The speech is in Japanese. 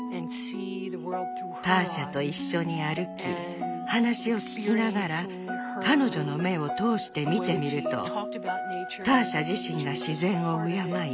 ターシャと一緒に歩き話を聞きながら彼女の目を通して見てみるとターシャ自身が自然を敬い